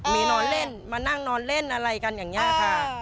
มีนอนเล่นมานั่งนอนเล่นอะไรกันอย่างนี้ค่ะ